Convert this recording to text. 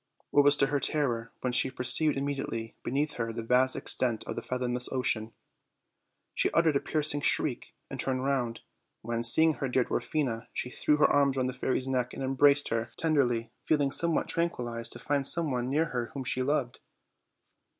What was her terror when she per ceived immediately beneath her the vast extent of the fathomless ocean! She uttered a piercing shriek and turned round, when, seeing her dear Dwarfina, she threw her arms round the fairy's neck and embraced her tea 38 OLD, OLD FAIRY TALES. derly, feeling somewhat tranquilized to ftttd some one near her whom she loved.